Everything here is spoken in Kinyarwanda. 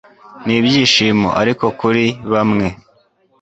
n'ibyishimo. Ariko kuri bamwe